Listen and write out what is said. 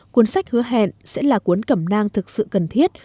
cuốn sách hứa hẹn sẽ là cuốn cẩm nang thực sự cần thiết